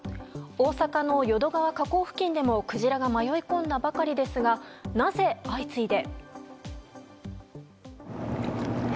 大阪の淀川河口付近でもクジラが迷い込んだばかりですがなぜ、相次いで。